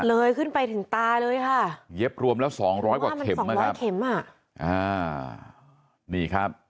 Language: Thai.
เลยขึ้นไปถึงตาเลยค่ะเย็บรวมแล้วสองร้อยกว่าเข็มมาร้อยเข็มอ่ะอ่านี่ครับ